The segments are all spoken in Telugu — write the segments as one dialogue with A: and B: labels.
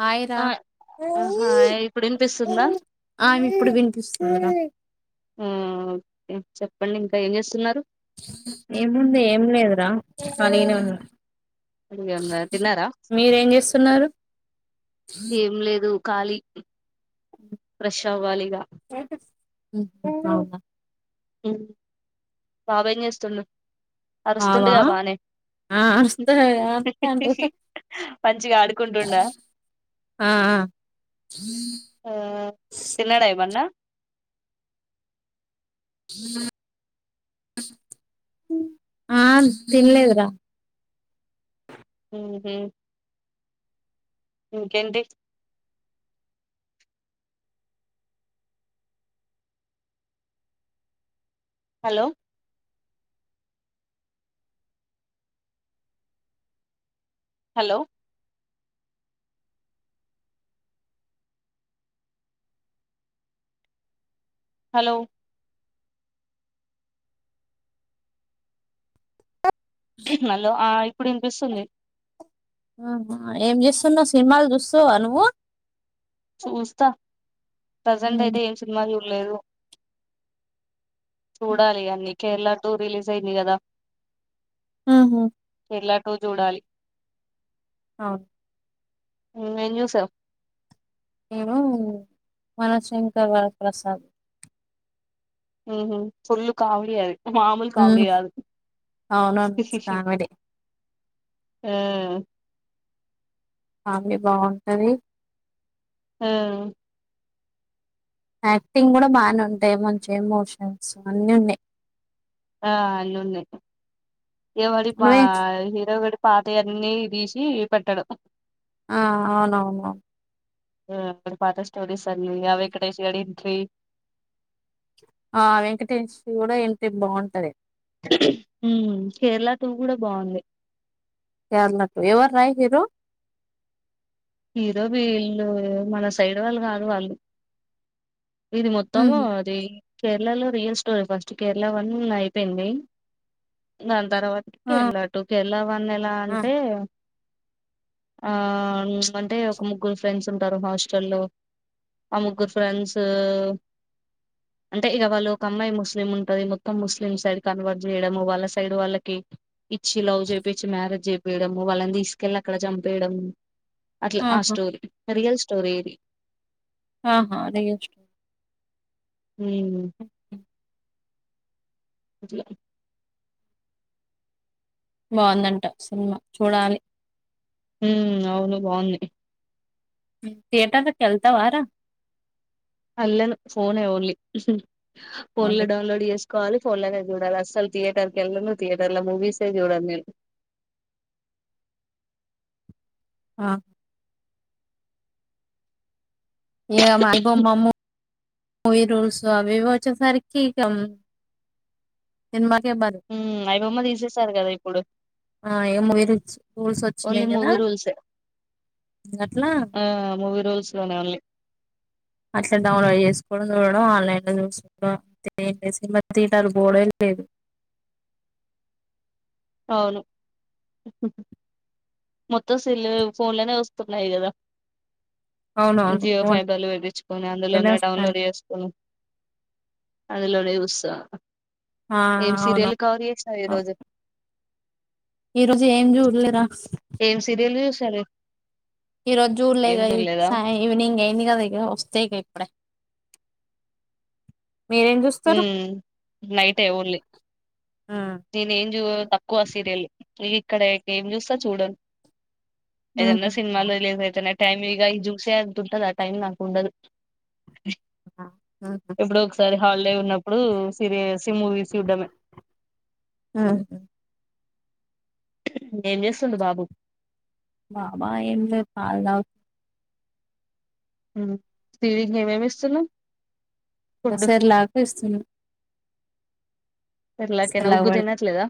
A: హాయిరా
B: ఆ ఆహా ఇప్పుడు వినిపిస్తుందా
A: ఆ ఇప్పుడు వినిపిస్తుంది నాకు ఆ
B: ఊ ఓకే చెప్పండి ఇంకా ఏం చేస్తున్నారు
A: ఏముంది ఏం లేదురా ఖాళీగానే ఉన్నా
B: ఏమన్నా తిన్నారా
A: మీరేం చేస్తున్నారు
B: కాలి ఫ్రెష్ అవ్వాలిగా
A: అవునా
B: బాబు ఏంచేస్తుండు
A: బవా ఆ వస్త ఆ వస్తండు
B: మంచిగా ఆడుకుంటుండా
A: ఆ ఆ
B: తిన్నాడా ఏమన్నా
A: ఆ తినలేదురా
B: ఉ ఇంకేంటి హలో హలో హలో నలో ఆ అప్పుడంట సల్
A: ఆహ ఏం చేస్తున్నా్ సినిమాలు చూస్తావా నువ్వు
B: చూజత ప్రెజెంట్
A: ఉమ్.
B: అయితే ఏం సినిమాలు లేదు చూడాలి కానీ కేరళ టూ రిలీస్ అయింది కదా
A: ఆహా
B: ఎాటో చూడాలి
A: అ
B: మన్సా
A: నేను మనశంకర్రప్రసాద్
B: హ ఫుల్లు కావళి అది మామూలు కామెడీ కాదు
A: అవునుస్ కానుడి
B: ఆ
A: ఫ్యామిలీ బాగుంటది
B: ఆ
A: యాక్టింగ్ కూడా బానే ఉంటాయి మంచిం ఎమోషన్స్ అన్ని ఉన్నాయి
B: ఆ అల్లున్నే ఎవడి పా
A: నువ్వే
B: హీరోగాడు పాత యన్నిదీసి పెట్టడం
A: ఆ అవునవును
B: ఆ పాతస్టోరీస్ అన్ని ఆ వెంకటేష్ గాడి ఎంట్రీ
A: ఆ వెంకటేష్ ది గూడ ఎంట్రీ బాగుంటది
B: హుమ్ కేరళ టు కూడా బాగుంది
A: కేరళ టు ఎవర్రా హీరో
B: హిరో వీళ్ళు మన సైడ్ వాళ్ళు కాదు వాళ్ళు ఇది మొత్తము
A: ఉహు
B: అది కేరళ లో real story first Kerala one అయిపోయింది ఇంగ అన్ తర్వాత కి
A: ఆ
B: ఎళ్ళ టూ కేరళ వన్ ఎలా
A: ఆ
B: అంటే ఆ ఫ్చ్ అంటే ఒక ముగ్గురు ఫ్రెండ్స్ ఉంటారు హాస్టల్ లో ఆ ముగ్గురు ఫ్రెండ్స్ అంటే ఇక వాళ్ళు ఒక అమ్మాయి ముస్లిం ఉంటది మొత్తం ముస్లిం సైడ్ కన్వర్ట్ చేయడము వాళ్ళ సైడ్ వాళ్ళకి ఇచ్చి లవ్ చేపిచ్చి మ్యారేజ్ చేయడం వాళ్ళని తీసుకెళ్లి అక్కడ చంపేయడము అట్ల ఆ
A: ఆహా
B: స్టోరీ రీయల్ స్టోరీ ఇది
A: ఆహా రియల్ స్టో
B: హమ్ జీ
A: బాగుందంట సినిమా చూడాలి
B: హమ్ అవును బాగుంది
A: థియటర్ త ఎల్తావా రా
B: అల్ను ఫోన్ ఎ ఓన్లీ ఫోన్ లో
A: ఓన్లీ
B: డౌన్లోడ్ చేస్ కాాల ఫోన్లోనే జూడాలి అసలు థియేటర్కి వెళ్ళను థియేటర్లా మూవీస్ జూడాను నేను
A: ఆ ఏ మా అయిబమ్మ ము వీరుూల్స్ అవి ఇవి వచ్చేసరికి ఉమ్ మా
B: ఉమ్, ఐబొమ్మ తీసేసారు కదా ఇప్పుడు
A: ఆ మూవీ రూల్స్
B: ఓన్లీ
A: వచ్చినాయి కదా
B: మూవీ రూల్సే
A: ఇంకా అట్లా
B: ఆ మూవీ రూల్స్ లోనే ఓన్లీ
A: అసల డౌన్లోడ్ చూడడం ఆన్లైన్ లో చూసుాడం అంతే ఏం అ సినిమా తింటారు పోడ లేదు
B: అవును మొత్తం సల్ ఫోన్లోనే వస్తున్నాయి కదా
A: అవునవును
B: జియో
A: ఫోన్
B: ఫైబర్లు వియిించుకొని
A: లోనే
B: అందులోనే
A: వస్తాను
B: డౌన్లోడ్ చేసుకొని అందులోనే చూస్తానారు
A: ఆ
B: ఏం
A: అవును
B: సీరియల్ కవర్ చేసేవ్ ఈ రోజు
A: ఈ రోజు ఏం చూడలేరా
B: సరే
A: ఈ రోజు చూడ్లే ఈగ సా ఈవినింగ్ అయింది కదా ఇ వస్తాయి ఇక ఇప్పుడే మీరేం చూస్తారు
B: హ్మ్మ్ నైట్ే ఓన్లీ
A: ఉహు
B: నేను ఏం చూ తక్కువ సీరియల్ లు ఇక్కడ ఏం చూస్తా చూడున్ ఏదన్నా
A: ఉహు
B: సినిమాాల రిలీజస్ అయితేనే టైమ్ ఇక ఈ జ్యూసే అంత ఉంటందా టైమ్ నాకు ఉండదు ఎప్పుడో ఒకసారి హాలిడే ఉన్నప్పుడు సీరియస్ మూవీస్ చూడడము
A: ఉహు
B: ఏం చేస్తుండు బాబు
A: బబా ఏం పల్లాతా
B: స్ీడికి ఏమేమి ఇస్తున్నాం
A: ఒక సారి లాగా ఇస్తున్నా
B: ఎట్లాకనా
A: సెర్లాక్
B: ఊగు
A: పెడుతున్న
B: తీనట్లేదా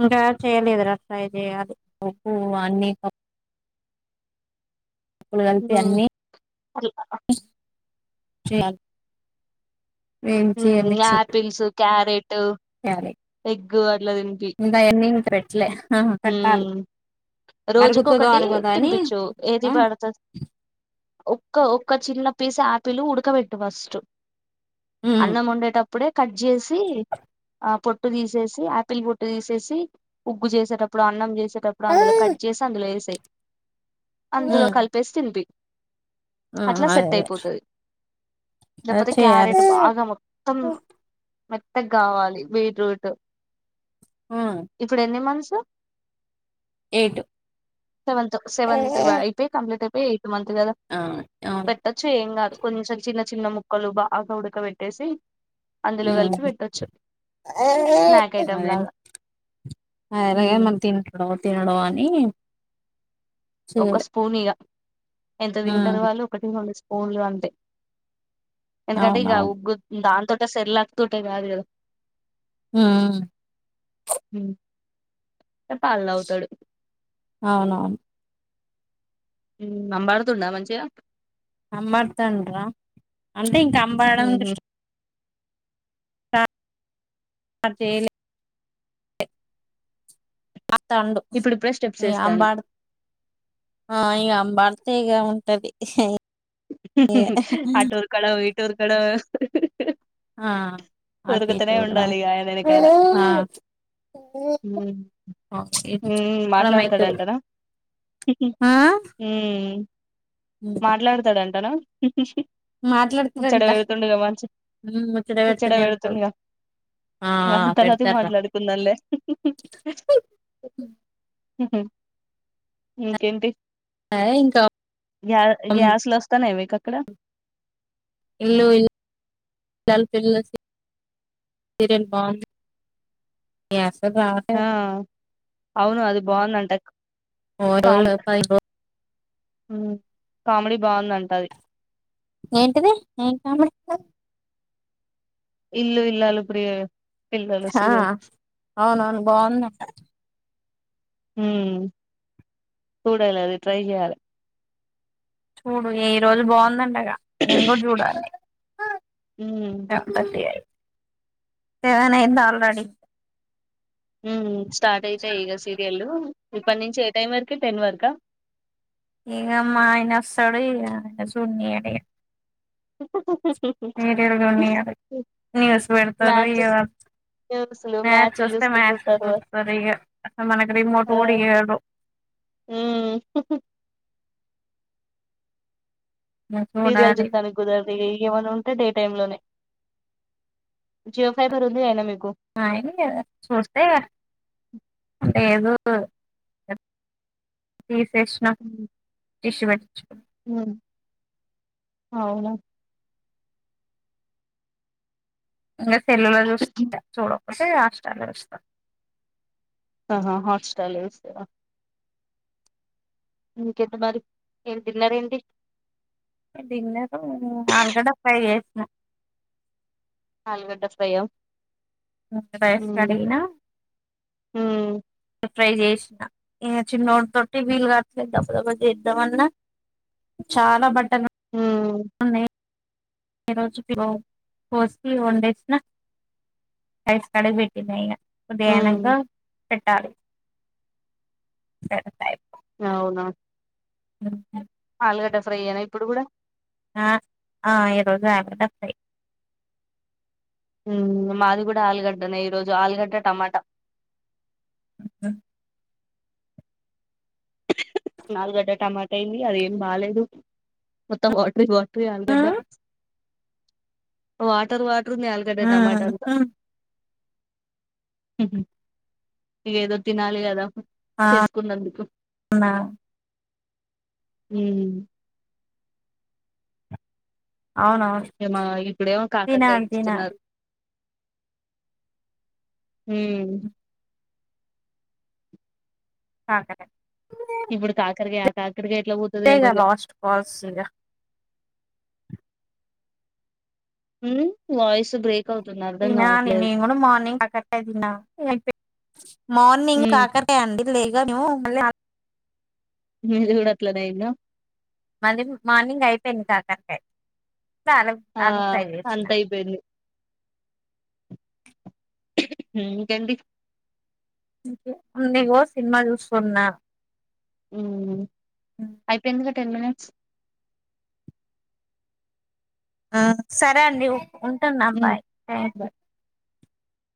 A: ఇంకా చెయలేదు ఫ్రై చేయాలి ఉగ్గు అన్నిీ అప్పుడు కలిపి అన్నీ
B: అట్లా
A: చేయాలి వేయించి
B: హ్మ్
A: మిక్సీ
B: ఆపిల్స్ క్యారెట్ ట్
A: చేయాలి
B: ఎగ్ అట్ల తిన్పి
A: పేట్లే
B: హ్మ్
A: అరుగుతదో
B: రోజుకోకటి
A: అరగదో అని
B: తింపించు ఏది
A: ఉమ్
B: పడుతది ఒక్క ఒక్క చిన్న పీస్ ఆపిల్ ఉడకవేట్టు ఫస్ట్
A: ఉమ్
B: అన్నమొండేటప్ ప్పుడే కట్ చేసి ఆ పొట్టు తీసేసి ఆపిల్ పొట్టు తీసేసి ఉగ్గు చేసేటప్ ప్పుడు అన్నం చేసేటప్పుడు అందులో కట్ చేసి అందులో ఏసేయి అందులో
A: ఉమ్
B: కలిపేసి తిన్పి అట్లా
A: అదే
B: సెట్
A: అదే
B: అయిపోతుది
A: అదే
B: లేపోతే
A: చేయాలి
B: క్యారెట్ బాగా మొత్తం మెత్తగావాలి బీట్రూట్
A: ఆ
B: ఇప్పుడు ఎన్ని మంత్స్
A: ఎయిట్
B: సెవెన్త్ సెవెంత్ అయిపోయి కంప్లీట్ అపో ఏ మంత్ కదా
A: ఆ అవును
B: పెట్టొచ్చు ఏం కాదు కొంచెం చిన్న చిన్న ముక్కలు బాగా ఉడక పెట్టేసి
A: హ్మ్
B: స్నాక్ ఐటమ్ లాగా
A: అదే దే
B: ఉమ్,
A: మంత్ ఇంట్లో తినడో అని
B: ఒక
A: చేయలే
B: స్పూన్ ఇగా ఎంత తింటర్ వాళ్ళు ఒకటి రెండు స్పూ న్లు అంతే ఎందుకంటే ఇక
A: అవునవును
B: ఉగ్గు దాన్ తోటే సెర్లాక్ తోటే కద్ గదా
A: ఆ
B: పాల్ తాగుతాడు
A: అవునవును
B: అబాడుతుండా మంచిగా
A: అంబాద్తండ్రా అంటే ఇంకా అంబాడడం
B: ఉహు,
A: స్టార్ ర్ట్ చేయలే తండు
B: ఇప్పుడిప్పుడే స్టెప్స్ వేస్తాడు
A: అంబాడు ఆ ఇగ అంబాడ్తే ఇగ టది హ్మ్
B: ఆటూర్ కూడా పో టూరు కడ
A: ఆ ఆ ఒకే
B: ఉండాలి ఇగ ఆయన వెనకాల ఉమ్, ఉమ్, మాట్లాడతాడంటనా
A: ఆ ఆ
B: మాట్లాడు ఎంటనా ముచ్చడ
A: మాట్లాడుతారంట
B: పెడుతుండగా మంచి
A: ముచ్చట
B: ముచ్చడ
A: పెడుతూనే ఉంటారు
B: పెడుతుండగా
A: ఆ
B: మన తర్వాత
A: పెడతార్రా
B: మాట్లాడుకుందాములే ఇంకేంటి
A: ఆ ఇంకా మ్మ్
B: వస్తానే మీకక్కడ
A: ఇల్లుల్య బాగుది ఇగ
B: ఆ అవును అది బాగుందంట కామ్
A: [unintelligible]
B: కామెడీ బావుదంట అది
A: ఏంటది ఏం [inaudible]
B: ఇల్లు ఇల్లాలు ప్రియే
A: ఆ అవునవును బావుందంట
B: హ్మ్ చూడాలి అది ట్రై చేయాలి
A: చూడు ఈ రోజు బావుందంట నేను కూడా చూడాలి
B: ఉమ్
A: [unintelligible] సెవెన్ అయింది ఆల్రెడీ
B: హ్మ్ స్టార్ట్ అయితాయి ఇక సీరియల్లు ఇప్పటి నుంచి ఏ టైం వరకు టే టెన్ వరకా
A: ఈఅమ్మా ఆయన వస్తడు ఇగ చూడనీయడిక సీరియల్ చూడనీయరు న్యూస్ పెడతరు
B: మ్యాచ్
A: ఇగ
B: న్యూస్లు
A: మ్యాచ్
B: మ్యాచ్లు
A: వస్తే మ్యాచ్లు
B: చూసుకుంటుంటారు
A: చూస్తారు ఇగ మనకి రిమోట్
B: ఆ
A: కూడా ఈయడు
B: ఉమ్ సీరియల్
A: చూడాలి
B: చూద్దానికి కుదరదు ఇగ ఏమైనా ఉంటే డే టైమ్ లోనే జియో ఫైబర్ ఉంది గా అయినా మీకు
A: అయింది గదా చూస్తే ఏదు తీస్ యష్ణ [unintelligible]
B: అవునా
A: అ తెల్లలో చూస్త చూడ వ రాష్టట వస్త
B: ఆహా హాట్స్టార్ల్ వస్తేవా ఇంకెంత మరి ఏమి తిన్నారండి
A: డిన్నరు ఆల్గడ ఫైవ్ చేసిన
B: నల్గడ్డ ఫయం
A: రైస్ కడినా
B: ఉమ్
A: ట్రై చేసిన ఈ చిన్నోటి తోటి వీలు కాట్లే దడబ్బ దబ్బ చేద్దాంన్నా చాలా బట్
B: హ
A: ఏ రోజు ఫ వన్ డేస్ నాైస్ కడకి పెట్టంది ఇ
B: ఉమ్
A: అదయానంగా పెట్టాల స
B: అవునా
A: ఉ
B: గ ఫ్రై అనా ఇప్పుడు కూడా
A: ఈరోజు ఆపోట ఫయి
B: మాది కూడా ఆలుగడ్డనే ఈరోజు ఆలుగడ్డ టమాటా
A: అ
B: నాలుగడ్డ టమాటా అయింది అది ఏం బాేదు మొత్తం వాటర్ వాటర్ ఆలుగడ్డ వాటర్ వాట ఆల్కడ టమాటాంత ఇక ఏదో తినాలి అదా
A: ఆ
B: చేసుకున్నందుకు
A: అవునా
B: అ
A: అవునవును
B: ఏమ ఇప్పుడేమో కాకంగా
A: తినాలి తినాలి
B: ఇస్తున్నారు అు
A: ఆ కరేక్
B: ఇప్పుడు కాకరికాయ ఆ కాకరికాయ ఎట్లా పోతుంది ఏమ
A: అంతేగా లాస్ట్ కాల్స్ ఇగ
B: ఉ వయిస్ బ్రేక్ అవుతుంది అర్ధం
A: తిన అండి
B: కావట్లేదు
A: నేను కూడా మార్నింగ్ కాకట్టే తిన అయి మార్నింగ్
B: ఉమ్
A: కాకటే అండి లేగా మీ మ
B: జవుడుల ననా
A: మది మార్నింగ్ అయిపోయింది కాకరకా అల
B: ఆ
A: అల ఫైచ్చ
B: అంత అయిపోయింది హ కడి
A: అకో సినిమా చూస్న్
B: అయిపో ఎందుక టెన్ మినిట్స్
A: ఆ సరే అండీ ఉంటున్న
B: ఉమ్
A: బాయ్ థ్యాంక్ యూ